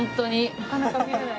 なかなか見れない。